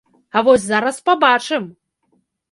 А вось зараз пабачым!